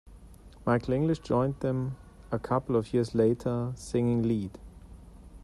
Michael English joined them a couple of years later singing lead.